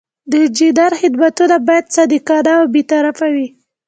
د انجینر خدمتونه باید صادقانه او بې طرفه وي.